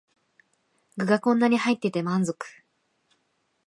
具がこんなに入ってて満足